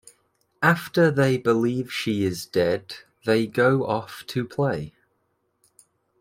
After they believe she is dead they go off to play.